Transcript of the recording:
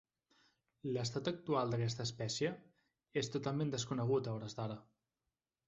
L'estat actual d'aquesta espècie és totalment desconegut a hores d'ara.